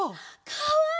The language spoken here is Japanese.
かわいい。